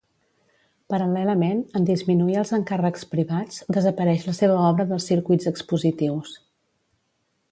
Paral·lelament, en disminuir els encàrrecs privats, desapareix la seva obra dels circuits expositius.